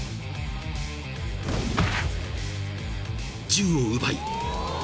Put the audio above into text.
［銃を奪い］